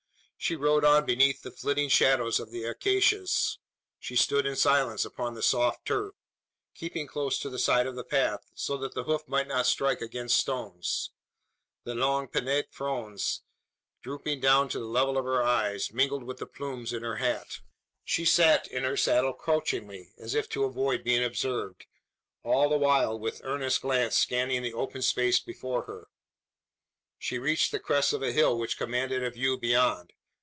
She rode on beneath the flitting shadows of the acacias. She rode in silence upon the soft turf keeping close to the side of the path, so that the hoof might not strike against stones. The long pinnate fronds, drooping down to the level of her eyes, mingled with the plumes in her hat. She sate her saddle crouchingly, as if to avoid being observed all the while with earnest glance scanning the open space before her. She reached the crest of a hill which commanded a view beyond.